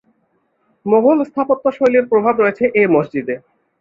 মোঘল স্থাপত্য শৈলীর প্রভাব রয়েছে এ মসজিদে।